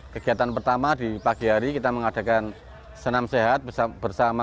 kegiatan pertama di pagi hari kita mengadakan senam sehat bersama